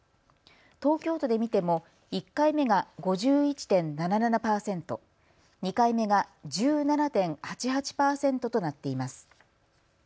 東京都で見ても１回目が５１．７７％、２回目が１７．８８％となっています。